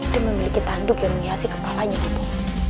dia memiliki tanduk yang menghiasi kepalanya bapak